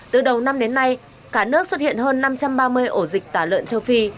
từ đầu năm đến nay cả nước xuất hiện hơn năm trăm ba mươi ổ dịch tả lợn châu phi